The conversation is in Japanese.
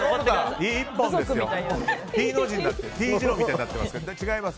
Ｔ字路みたいになってます。